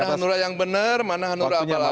mana hanura yang benar mana hanura abal abal